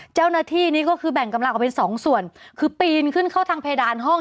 เจ้าหน้าที่นี่ก็คือแบ่งกำลังออกเป็นสองส่วนคือปีนขึ้นเข้าทางเพดานห้อง